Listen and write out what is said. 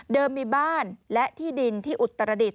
มีบ้านและที่ดินที่อุตรดิษฐ